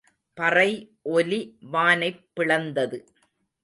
பறை ஒலி வானைப் பிளந்தது.